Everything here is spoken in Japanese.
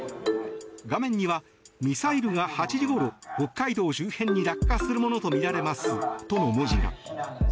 画面には「ミサイルが８時ごろ北海道周辺に落下するものとみられます」との文字が。